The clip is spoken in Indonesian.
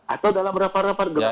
atau dalam rapat rapat